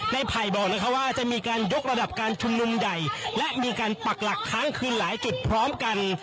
ไผ่บอกนะคะว่าจะมีการยกระดับการชุมนุมใหญ่และมีการปักหลักค้างคืนหลายจุดพร้อมกัน